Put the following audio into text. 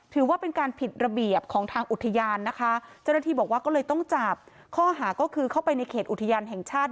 ถือว่าเป็นการผิดระเบียบของทางอุทยานนะคะเจ้าหน้าที่บอกว่าก็เลยต้องจับข้อหาก็คือเข้าไปในเขตอุทยานแห่งชาติ